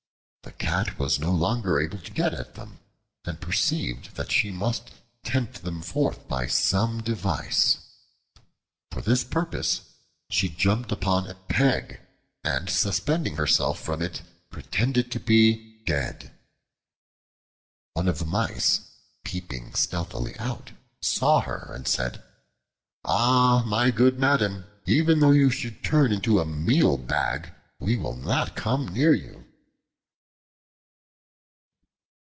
The Cat was no longer able to get at them and perceived that she must tempt them forth by some device. For this purpose she jumped upon a peg, and suspending herself from it, pretended to be dead. One of the Mice, peeping stealthily out, saw her and said, "Ah, my good madam, even though you should turn into a meal bag, we will not come near you."